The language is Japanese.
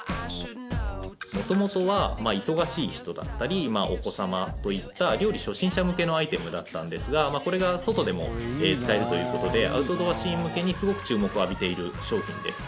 元々は忙しい人だったりお子様といった料理初心者向けのアイテムだったんですがこれが外でも使えるということでアウトドアシーン向けにすごく注目を浴びている商品です。